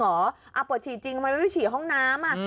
หออ่ะปวดฉีดจริงไหมไม่ได้ฉีดห้องน้ำ